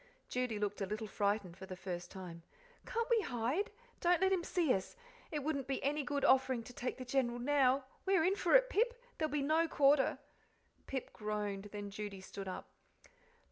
Judy looked a little frightened for the first time. "Can't we hide? Don't let him see us. It wouldn't be any good offering to take the General now. We're in for it now, Pip there'll be no quarter." Pip groaned; then Judy stood up.